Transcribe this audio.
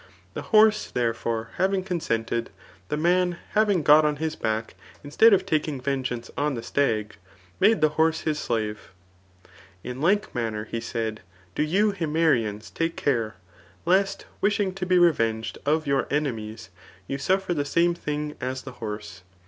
The horse, therefore, having consented, the man, having got on his back^ in stead of taking vengeance i^' the stag, made the horse his s^ve. In like manner, said he, do you Himerians take care, lest wishing to be revenged of your enemies, you suffer the same things as the hoxae.